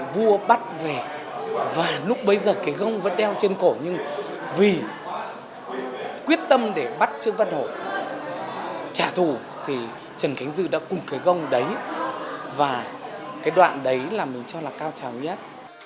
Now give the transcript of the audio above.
vua bắt vẻ và lúc bấy giờ cái gông vẫn đeo trên cổ nhưng vì quyết tâm để bắt trương văn hồ trả thù thì trần khánh dư đã cùng cái gông đấy và cái đoạn đấy là mình cho là cao trào nhất